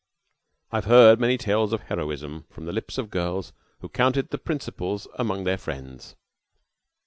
I have heard many tales of heroism from the lips of girls who counted the principals among their friends.